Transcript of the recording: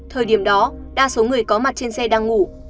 thời điểm đó đa số người có mặt trên xe đang ngủ